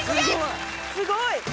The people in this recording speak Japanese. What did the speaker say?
すごい！